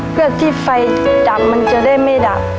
เพื่อที่ไฟดับมันจะได้ไม่ดับ